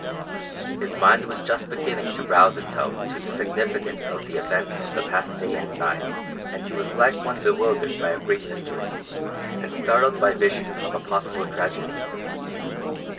His mind was just beginning to rouse itself to the significance of the events of the past day and night, and he was like one bewildered by a great mystery, and startled by visions of a possible tragedy.